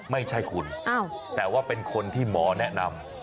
ไม่ใช่คุณแต่ว่าเป็นคนที่หมอแนะนำ